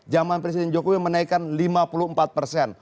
zaman presiden jokowi menaikkan lima puluh empat persen